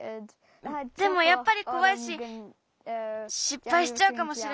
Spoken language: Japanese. でもやっぱりこわいししっぱいしちゃうかもしれない。